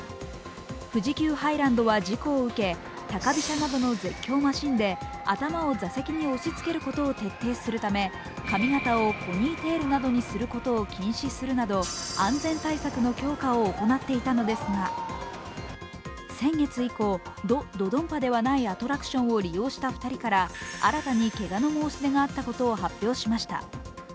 富士急ハイランドは事故を受け高飛車などの絶叫マシンで頭を座席に押しつけることなど髪形をポニーテールなどにすることを禁止するなど安全対策の強化を行っていたのですが、先月以降、ド・ドドンパではないアトラクションを利用した２人から新たにけがの申し出があったことを発表しました。